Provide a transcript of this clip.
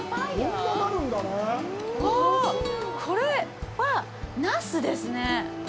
うわぁ、これはナスですね！